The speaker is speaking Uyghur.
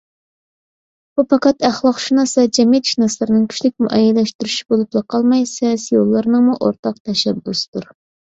بۇ پەقەت ئەخلاقشۇناس ۋە جەمئىيەتشۇناسلارنىڭ كۈچلۈك مۇئەييەنلەشتۈرۈشى بولۇپلا قالماي سىياسىيونلارنىڭمۇ ئورتاق تەشەببۇسىدۇر.